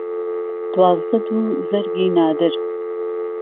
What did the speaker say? دوازدە دوو زەرگی نادر